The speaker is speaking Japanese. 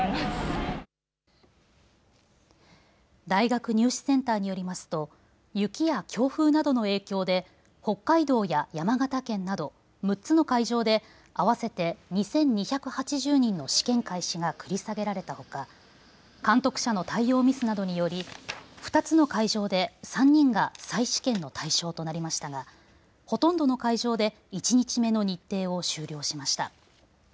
大学入試センターによりますと雪や強風などの影響で北海道や山形県など６つの会場で合わせて２２８０人の試験開始が繰り下げられたほか監督者の対応ミスなどにより２つの会場で３人が再試験の対象となりましたが、ほとんどの会場で１日目の日程を終了しました。